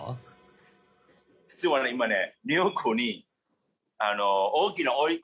実はね今ね。